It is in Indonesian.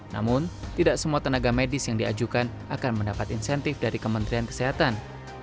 namun tidak semua tenaga medis yang diajukan akan mendapat insentif dari kementerian kesehatan